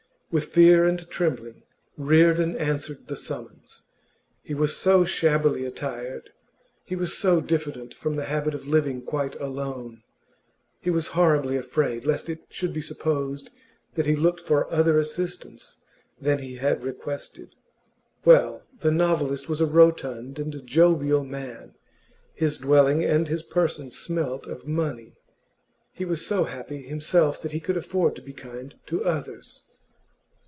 With fear and trembling Reardon answered the summons. He was so shabbily attired; he was so diffident from the habit of living quite alone; he was horribly afraid lest it should be supposed that he looked for other assistance than he had requested. Well, the novelist was a rotund and jovial man; his dwelling and his person smelt of money; he was so happy himself that he could afford to be kind to others.